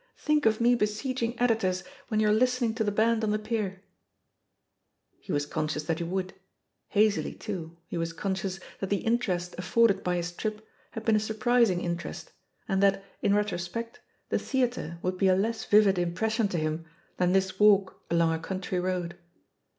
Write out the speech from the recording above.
Think of me besieging editors when you're listening to the band on the pierl" He was conscious that he would; hazily, too, he was conscious that the interest afforded by his trip had been a siu'prising interest, and that, in retrospect, the theatre would be a less vivid im pression to him than this walk along a country road.